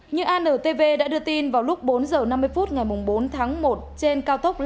như antv đã đưa tin vào lúc bốn giờ năm mươi phút ngày bốn tháng một trên cao tốc long thành